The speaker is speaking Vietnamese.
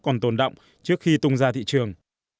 còn tồn động trước khi tung ra thị trường